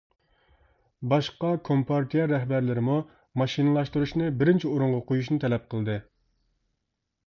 باشقا كومپارتىيە رەھبەرلىرىمۇ ماشىنىلاشتۇرۇشنى بىرىنچى ئورۇنغا قويۇشنى تەلەپ قىلدى.